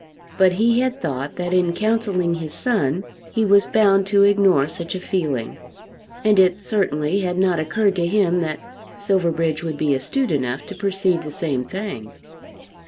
But he had thought that in counselling his son he was bound to ignore such a feeling; and it certainly had not occurred to him that Silverbridge would be astute enough to perceive the same thing.